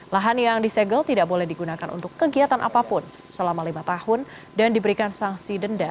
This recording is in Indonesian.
lahan yang disegel tidak boleh digunakan untuk kegiatan apapun selama lima tahun dan diberikan sanksi denda